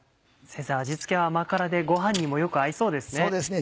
先生味付けは甘辛でご飯にもよく合いそうですね。